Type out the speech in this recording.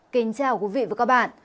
kính chào quý vị và các bạn